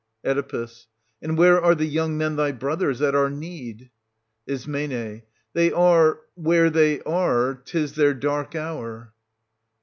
Oe. And where are the young men thy brothers at our need '^. Is. They are — where they are : 'tis their dark hour.